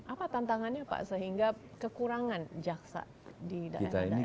apa tantangannya pak sehingga kekurangan jaksa di daerah daerah